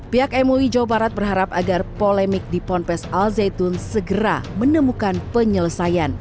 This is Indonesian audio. pihak mui jawa barat berharap agar polemik di ponpes al zaitun segera menemukan penyelesaian